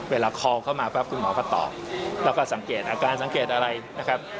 เวลาคอเข้ามาปั๊บคุณหมอก็ตอบแล้วก็สังเกตอาการสังเกตอะไรนะครับ